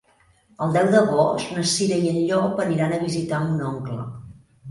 El deu d'agost na Cira i en Llop aniran a visitar mon oncle.